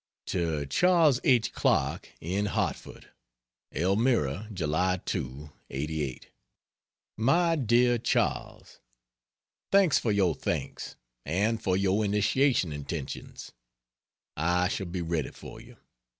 To Charles H. Clarke, in Hartford: ELMIRA, July 2, '88. MY DEAR CHARLES, Thanks for your thanks, and for your initiation intentions. I shall be ready for you.